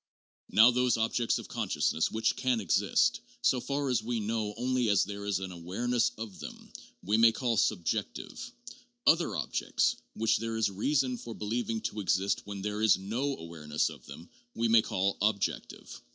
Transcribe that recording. Now those objects of consciousness which can exist, so far as we know, only as there is an awareness of them, we may call 'sub jective'; other objects, which there is reason for believing to exist when there is no awareness of them, we may call 'objective.'